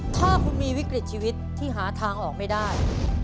ถ้าคุณมีวิกฤตชีวิตที่หาทางออกไม่ได้